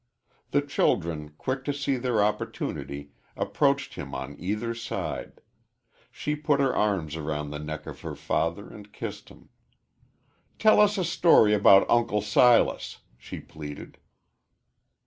The children, quick to see their opportunity, approached him on either side. Sue put her arms around the neck of her father and kissed him. "Tell us a story about Uncle Silas," she pleaded.